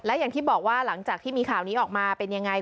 และอย่างที่บอกว่าหลังจากที่มีข่าวนี้ออกมาเป็นยังไง